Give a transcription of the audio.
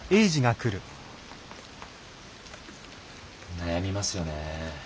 悩みますよね。